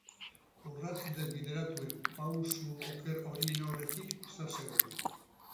Urrats desbideratuen, pauso oker horien, aurretik, zer zegoen?